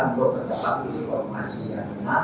untuk mendapat informasi yang benar